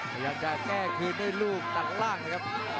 พยายามจะแก้คืนด้วยลูกตัดล่างเลยครับ